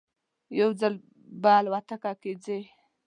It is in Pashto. یو ځای به الوتکه کې ځی.